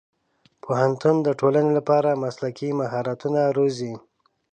پوهنتون د ټولنې لپاره مسلکي مهارتونه روزي.